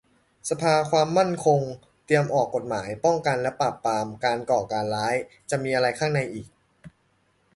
สภาความมั่นคงเตรียมออกกฎหมายป้องกันและปราบปรามการก่อการร้าย - จะมีอะไรข้างในอีก